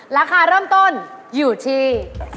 ราคาเริ่มต้นอยู่ที่